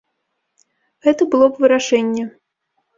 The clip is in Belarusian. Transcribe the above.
Гэта было б вырашэнне.